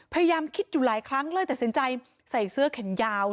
พยายามคิดอยู่หลายครั้งเลยตัดสินใจใส่เสื้อแขนยาว